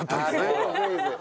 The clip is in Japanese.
はい！